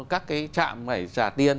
các cái trạm phải trả tiền